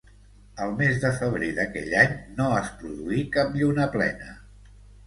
El mes de febrer d'aquell any no es produí cap lluna plena.